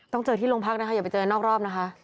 เจอที่โรงพักนะคะอย่าไปเจอนอกรอบนะคะ